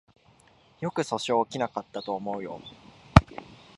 よく訴訟起きなかったと思うよ